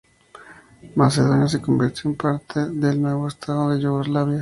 Macedonia se convirtió en parte del nuevo estado de Yugoslavia.